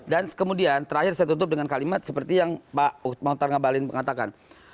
kemudian terakhir saya tutup dengan kalimat seperti yang pak mohtar ngabalin mengatakan